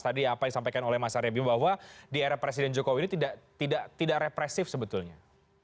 tadi apa yang disampaikan oleh mas arya bima bahwa di era presiden jokowi ini tidak represif sebetulnya